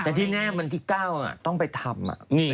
แต่ที่แน่วันที่๙ต้องไปทำ